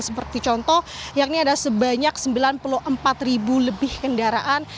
seperti contoh yakni ada sebanyak sembilan puluh empat ribu lebih kendaraan